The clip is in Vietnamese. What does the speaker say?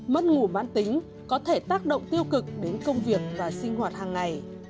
mất ngủ mãn tính có thể tác động tiêu cực đến công việc và sinh hoạt hàng ngày